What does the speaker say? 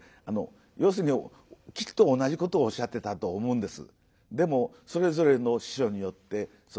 要するにきっと同じことをおっしゃってたと思うんです。